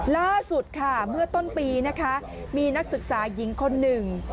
ล่าสุดค่ะเมื่อต้นปีนะคะมีนักศึกษาหญิงคนหนึ่ง